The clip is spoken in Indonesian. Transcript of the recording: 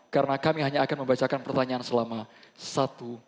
karena kami hanya akan membacakan pertanyaan selama satu kali